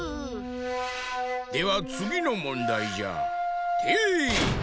ではつぎのもんだいじゃ。てい！